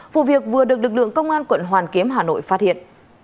vụ việc vừa được lực lượng công an quận hoàn kiếm hà nội phát hiện